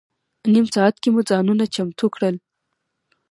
نیم ساعت کې مو ځانونه چمتو کړل.